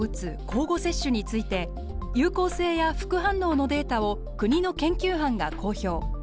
交互接種について有効性や副反応のデータを国の研究班が公表。